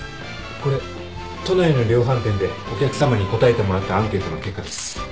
これ都内の量販店でお客さまに答えてもらったアンケートの結果です。